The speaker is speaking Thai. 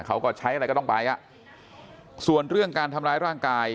เขาก็ใช้อะไรก็ต้องไปอ่ะส่วนเรื่องการทำร้ายร่างกาย